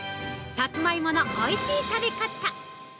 さつまいものおいしい食べ方。